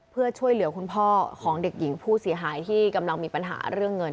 เพื่อช่วยเหลือคุณพ่อของเด็กหญิงผู้เสียหายที่กำลังมีปัญหาเรื่องเงิน